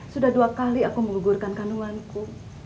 sudah dua kali aku menggugurkan kandunganku